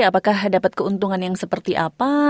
apakah dapat keuntungan yang seperti apa